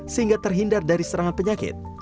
sehingga terhindar dari serangan penyakit